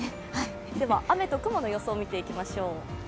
雨と雲の予想を見ていきましょう。